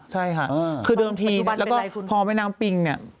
ใช่ค่ะคือเดิมทีแล้วก็พอแม่น้ำปิงเนี่ย